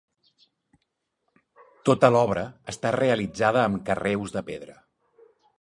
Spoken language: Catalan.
Tota l'obra està realitzada amb carreus de pedra.